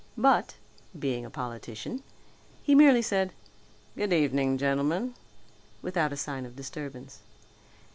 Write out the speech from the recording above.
But, being a politician he merely said, "Good evening, gentlemen," without a sign of disturbance.